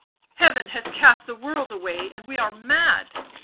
" Heaven has cast the world away and we are mad